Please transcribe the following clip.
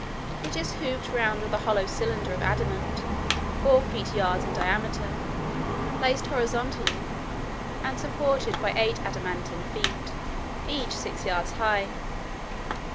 It is hooped round with a hollow cylinder of adamant, four feet deep, as many thick, and twelve yards in diameter, placed horizontally, and supported by eight adamantine feet, each six yards high.